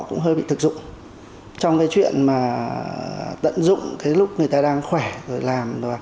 cũng hơi bị thực dụng trong cái chuyện mà tận dụng cái lúc người ta đang khỏe rồi làm rồi